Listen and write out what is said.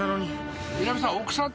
南さん